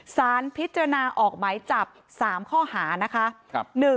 สารพิจารณาออกหมายจับ๓ข้อหานะคะ